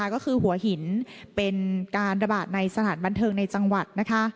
ก็คือหัวหินเป็นการระบาดในสถานบันเทิงในจังหวัดนะคะ